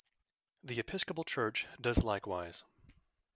The Episcopal Church does likewise.